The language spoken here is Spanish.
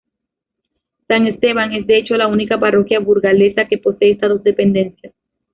San Esteban es, de hecho, la única parroquia burgalesa que posee estas dos dependencias.